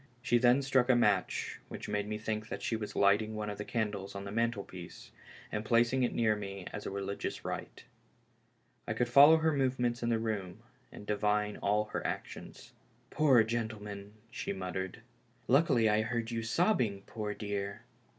She then struck a match, which made me think that she was lighting one of the candles on the mantlepiece, and placing it near me as a religious rite. I could follow her movements in the room and divine all her actions. "Poor gentleman!" she muttered. " Luckily I heard you sobbing, poor dear." THE LAST HOPE.